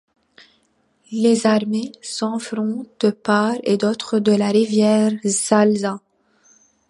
Les armées s'affrontent de part et d'autre de la rivière Salza.